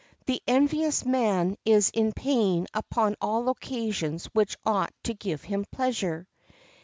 The envious man is in pain upon all occasions which ought to give him pleasure.